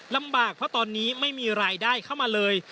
ลำบากเพราะตอนนี้ไม่มีรายได้เข้ามาเลย